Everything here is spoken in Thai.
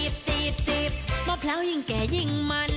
จีบจีบจีบจีบเมื่อพร้าวยิ่งแก่ยิ่งมัน